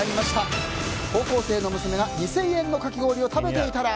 高校生の娘が２０００円のかき氷を食べていたら。